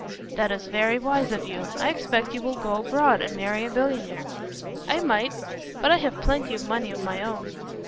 "That is very wise of you. I expect you will go abroad and marry a millionaire." "I might. But I have plenty of money of my own."